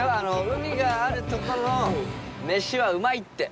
海があるとこの飯はうまいって。